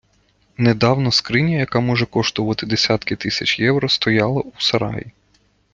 Недавно скриня, яка може коштувати десятки тисяч євро, стояла у сараї.